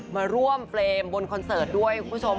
มาร่วมเฟรมบนคอนเสิร์ตด้วยคุณผู้ชม